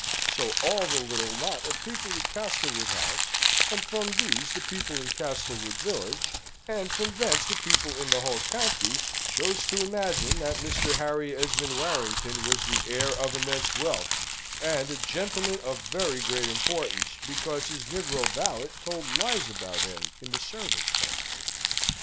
So all the little knot of people at Castlewood House, and from these the people in Castlewood village, and from thence the people in the whole county, chose to imagine that Mr. Harry Esmond Warrington was the heir of immense wealth, and a gentleman of very great importance, because his negro valet told lies about him in the servants' hall.